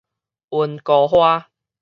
溫哥華